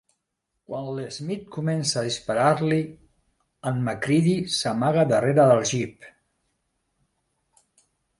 Quan l'Smith comença a disparar-li, en Macreedy s'amaga darrere el Jeep.